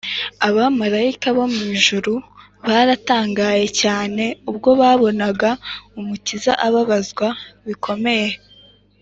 abamarayika bo mu ijuru baratangaye cyane ubwo babonaga umukiza ababazwa bikomeye